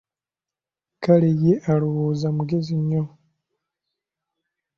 Kale ye alowooza mugezi nnyo!